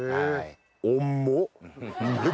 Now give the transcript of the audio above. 重っ！